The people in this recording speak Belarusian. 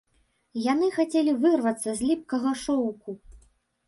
Яны хацелі вырвацца з ліпкага шоўку.